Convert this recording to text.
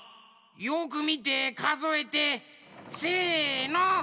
よくみてかぞえてせの！